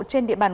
trên địa bàn